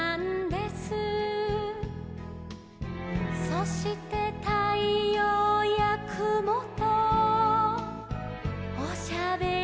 「そしてたいようやくもとおしゃべりしてたんです」